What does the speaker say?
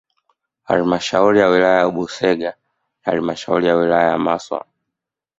Halmashauri ya wilaya ya Busega na halmashauri ya wilaya ya Maswa